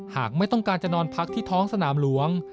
หากไม่ต้องการจะนอนพักที่ท้องสนามหลวง